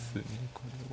これは。